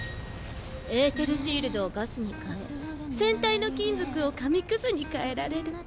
エーテルシールドをガスに換え船体の金属を紙くずに変えられる。